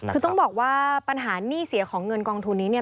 คือต้องบอกว่าปัญหาหนี้เสียของเงินกองทุนนี้เนี่ย